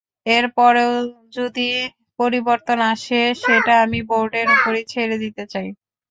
এরপরেও যদি পরিবর্তন আসে, সেটা আমি বোর্ডের ওপরই ছেড়ে দিতে চাই।